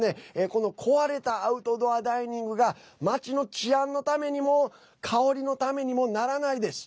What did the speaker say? この壊れたアウトドアダイニングが街の治安のためにも香りのためにもならないです。